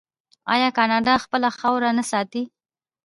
آیا کاناډا خپله خاوره نه ساتي؟